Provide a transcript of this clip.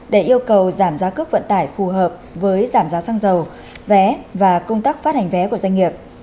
để yêu cầu giảm giá cước vận tải phù hợp với giảm giá xăng dầu vé và công tác phát hành vé của doanh nghiệp